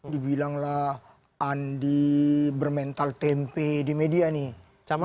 dibilanglah andi bermental tempe di media nih